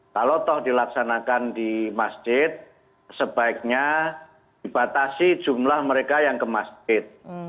kalau toh dilaksanakan di masjid sebaiknya dibatasi jumlah mereka yang ke masjid